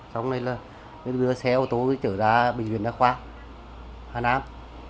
xong đây là đưa xe ô tô trở ra bệnh viện đa khoa hà nam